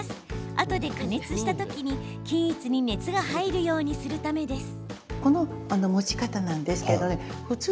あとで加熱した時に均一に熱が入るようにするためです。